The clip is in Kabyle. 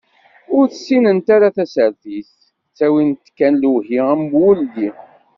Ur ssinent ara tasertit, ttawin-t kan lewhi am wulli.